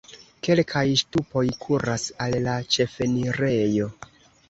Kelkaj ŝtupoj kuras al la ĉefenirejo.